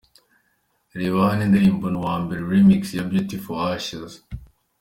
Reba hano indirimbo Ni Uwa Mbere Remix ya Beauty For Ashes.